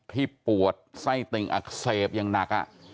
ที่ปวดไส้ติ่งอักเสบอย่างหนัก